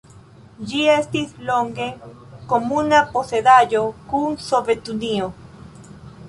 Ĝi estis longe komuna posedaĵo kun Sovetunio.